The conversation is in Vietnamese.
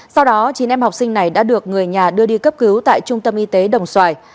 sau đó chín em học sinh này đã được người nhà đưa đi cấp cứu tại trung tâm y tế đồng xoài